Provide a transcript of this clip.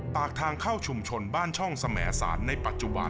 ปากทางเข้าชุมชนบ้านช่องสมสารในปัจจุบัน